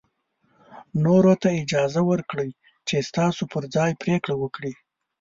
نورو ته اجازه ورکړئ چې ستاسو پر ځای پرېکړه وکړي.